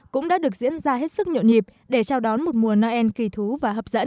cũng đã được diễn ra hết sức nhộn nhịp để chào đón một mùa noel kỳ thú và hấp dẫn